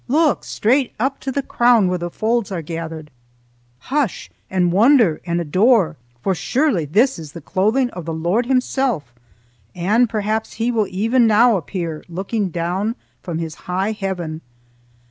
Look straight up to the crown where the folds are gathered. Hush and wonder and adore, for surely this is the clothing of the Lord Himself, and perhaps He will even now appear looking down from his high heaven."